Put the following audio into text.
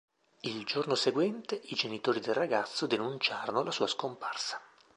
Il giorno seguente i genitori del ragazzo denunciarono la sua scomparsa.